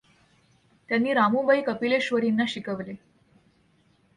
त्यांनी रामुबाई कपिलेश्वरींना शिकवले.